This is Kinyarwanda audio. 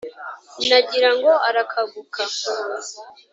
nagira ngo arakaguka,